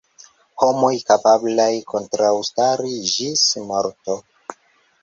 Homoj kapablaj kontraŭstari ĝis morto.